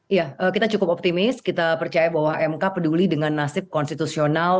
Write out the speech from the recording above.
iya kita cukup optimis kita percaya bahwa mk peduli dengan nasib konstitusional